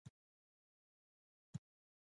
ایا دا هغه څه دي چې تاسو ته په ښوونځي کې درښیي